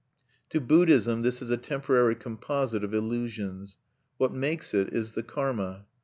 To Buddhism this is a temporary composite of illusions. What makes it is the karma.